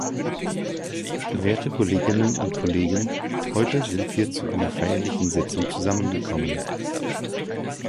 Werte Kolleginnen und Kollegen, heute sind wir zu einer feierlichen Sitzung zusammengekommen.